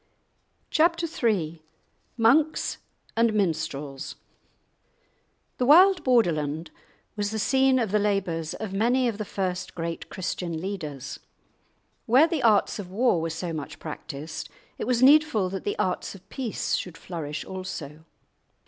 *Chapter III* *Monks and Minstrels* The wild Borderland was the scene of the labours of many ol the first great Christian leaders. Where the arts of war were so much practised, it was needful that the arts of peace should flourish also.